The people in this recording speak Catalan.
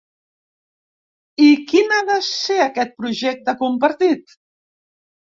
I quin ha de ser aquest projecte compartit?